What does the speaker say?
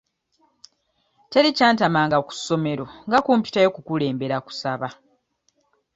Teri kyantamanga ku ssomero nga kumpitayo kukulembera kusaba.